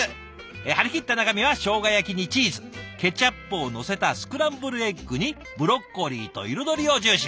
張り切った中身は生姜焼きにチーズケチャップをのせたスクランブルエッグにブロッコリーと彩りを重視。